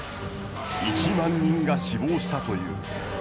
一万人が死亡したという。